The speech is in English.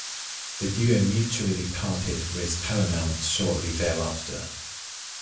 The duo mutually parted with Paramount shortly thereafter.